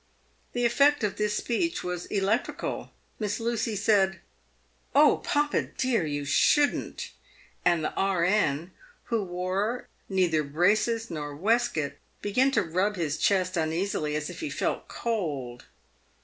The effect of this speech was electrical. Miss Lucy said, " Oh, papa, dear, you shouldn't ;" and the E.N., who wore neither braces nor waistcoat, began to rub his chest uneasily, as if he felt cold.